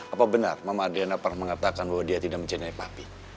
apa benar mama adriana pernah mengatakan bahwa dia tidak mencintai papi